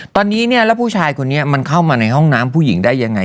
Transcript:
ตอนนี้เนี่ยแล้วผู้ชายคนนี้มันเข้ามาในห้องน้ำผู้หญิงได้ยังไง